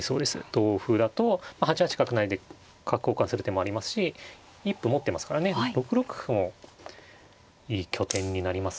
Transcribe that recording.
同歩だと８八角成で角交換する手もありますし一歩持ってますからね６六歩もいい拠点になりますね。